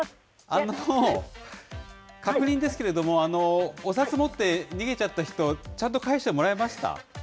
確認ですけれども、お札持って逃げちゃった人、ちゃんと返してもらえました？